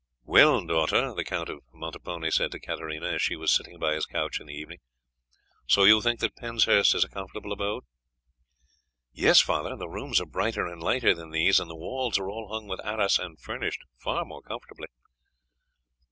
"Well, daughter," the Count of Montepone said to Katarina as she was sitting by his couch in the evening, "so you think that Penshurst is a comfortable abode?" "Yes, father, the rooms are brighter and lighter than these and the walls are all hung with arras and furnished far more comfortably."